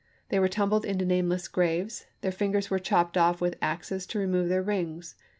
They were tumbled into nameless graves; their fingers were chopped off with axes to remove their rings.